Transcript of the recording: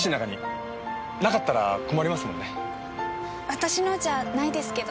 私のじゃないですけど。